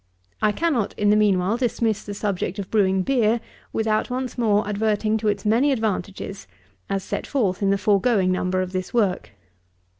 I cannot, in the mean while, dismiss the subject of brewing beer without once more adverting to its many advantages, as set forth in the foregoing Number of this work.